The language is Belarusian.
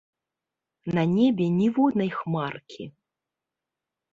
На небе ніводнай хмаркі.